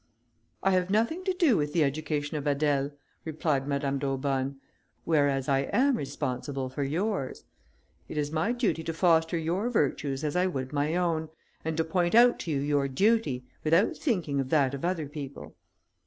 "I have nothing to do with the education of Adèle," replied Madame d'Aubonne, "whereas I am responsible for yours; it is my duty to foster your virtues as I would my own, and to point out to you your duty, without thinking of that of other people."